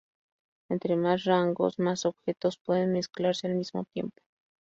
Entre más rangos más objetos pueden mezclarse al mismo tiempo.